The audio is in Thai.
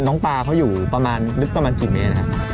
น้องปลาเขาอยู่ประมาณลึกประมาณกี่เมตรนะครับ